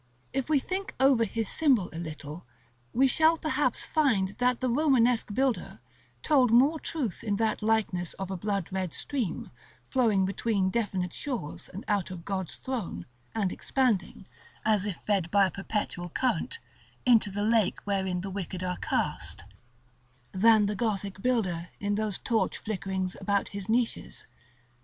If we think over his symbol a little, we shall perhaps find that the Romanesque builder told more truth in that likeness of a blood red stream, flowing between definite shores and out of God's throne, and expanding, as if fed by a perpetual current, into the lake wherein the wicked are cast, than the Gothic builder in those torch flickerings about his niches.